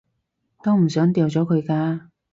都唔想掉咗佢㗎